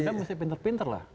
kita mesti pinter pinter lah